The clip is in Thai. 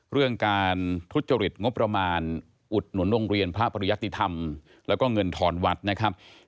เรื่องการทุจริตงบประมาณอุดหนุนโรงเรียนพระปริยติธรรมแล้วก็เงินทอนวัดนะครับ